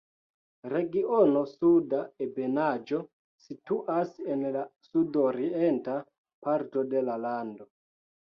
Regiono Suda Ebenaĵo situas en la sudorienta parto de la lando.